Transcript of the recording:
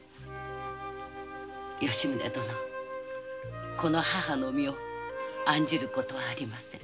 吉宗殿この母の身を案じる事はありません。